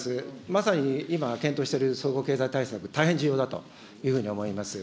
まさに今、検討している総合経済対策、大変重要だというふうに思います。